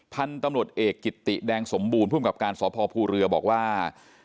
พันธุ์ตำรวจเอกกิตติแดงสมบูรณ์ภูมิกับการสพภูเรือบอกว่า